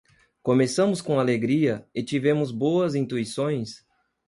Começamos com alegria e tivemos boas intuições